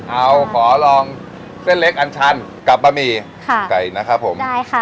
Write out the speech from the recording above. เอาขอลองเส้นเล็กอันชันกับบะหมี่ค่ะไก่นะครับผมใช่ค่ะ